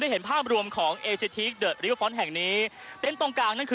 ไปเป็นอย่างไรบ้าง